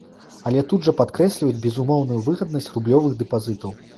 Але тут жа падкрэсліваюць безумоўную выгаднасць рублёвых дэпазітаў.